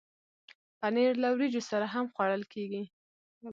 پنېر له وریجو سره هم خوړل کېږي.